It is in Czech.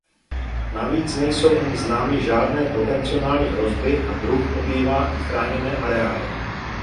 Navíc nejsou ani známy žádné potenciální hrozby a druh obývá i chráněné areály.